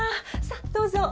さあどうぞ。